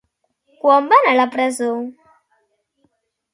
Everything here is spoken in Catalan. Quan va anar a la presó?